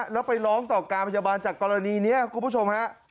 แล้วไปร้องต่อการพยาบาลจากกรณีนี้คุณผู้ชมฮะ